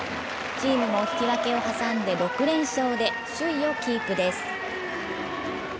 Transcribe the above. チームも引き分けを挟んで６連勝で首位をキープです！